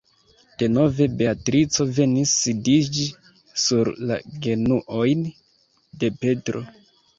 Denove Beatrico venis sidiĝi sur la genuojn de Petro.